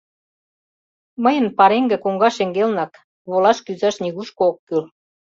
Мыйын пареҥге коҥга шеҥгелнак, волаш-кӱзаш нигушко ок кӱл.